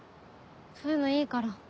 そういうのいいから。